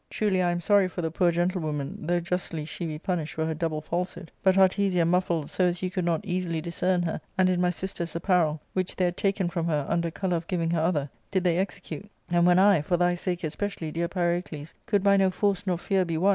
Truly I am sorry for the poor gentlewoman, though justly she be punished for her double falsehood ; but Artesia, muffled so as you could not easily discern her, and in my sister's apparel, which they had taken from her under colour of giving her other, did they execute ; and when I, for thy sake especially, dear Pyrocles, could by no force nor fear be won, they essayed * Sleigkts — Tricks, deceptions.